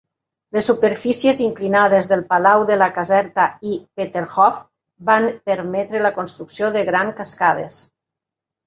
Les superfícies inclinades del palau de Caserta i Peterhof van permetre la construcció de grans cascades.